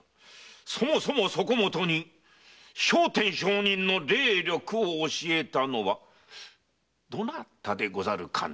そもそもそこもとに聖天上人の霊力を教えたのはどなたでござるかな？